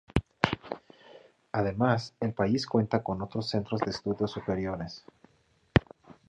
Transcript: Además, el país cuenta con otros centros de estudios superiores.